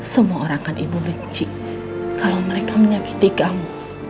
semua orang akan ibu benci kalau mereka menyakiti kamu